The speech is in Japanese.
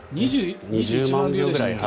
２１万票ぐらい。